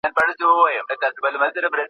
کافي خوب د مزاج توازن ساتي.